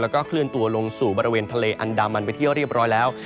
แล้วก็เคลื่อนตัวลงสู่บริเวณทะเลอันดามันไปเที่ยวเรียบร้อยแล้ว